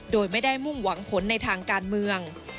โดยไม่ได้มุ่งหวังผลในทางการเมือง